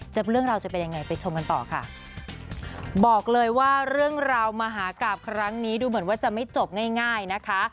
เรื่องราวจะเป็นยังไงไปชมกันต่อค่ะบอกเลยว่าเรื่องราวมหากราบครั้งนี้ดูเหมือนว่าจะไม่จบง่ายง่ายนะคะ